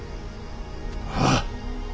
ああ。